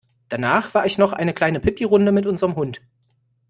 Danach war ich noch eine kleine Pipirunde mit unserem Hund.